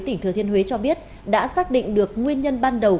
tỉnh thừa thiên huế cho biết đã xác định được nguyên nhân ban đầu